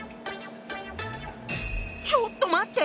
ちょっと待って。